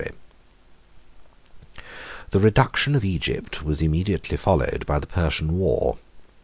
] The reduction of Egypt was immediately followed by the Persian war.